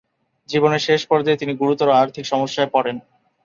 জীবনের শেষ পর্যায়ে তিনি গুরুতর আর্থিক সমস্যায় পড়েন।